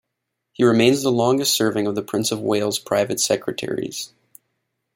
He remains the longest serving of the Prince of Wales Private Secretaries.